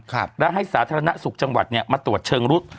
และให้สาธารณสุขจังหวัดมาตรวจเชิงลุก